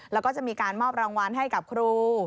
แล้วก็จะมีการมอบรางวัลให้กับครู